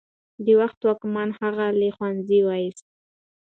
د وخت واکمنو هغه له ښوونځي ویست.